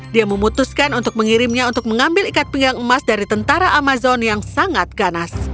dia memutuskan untuk mengirimnya untuk mengambil ikat pinggang emas dari tentara amazon yang sangat ganas